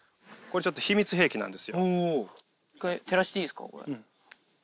照らしていいっすか。